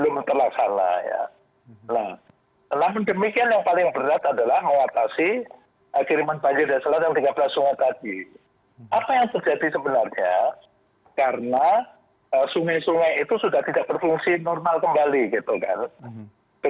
masyarakat harus bertanggung jawab juga terhadap banjir